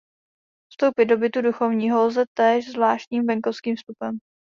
Vstoupit do bytu duchovního lze též zvláštním venkovním vstupem.